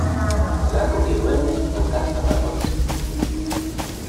Gato que duerme no caza ratones.